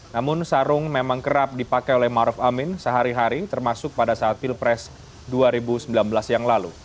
namun sarung memang kerap dipakai oleh maruf amin sehari hari termasuk pada saat pilpres dua ribu sembilan belas yang lalu